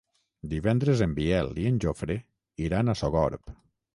Divendres en Biel i en Jofre iran a Sogorb.